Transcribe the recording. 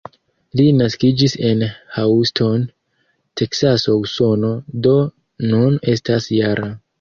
Li naskiĝis en Houston, Teksaso, Usono, do nun estas -jara.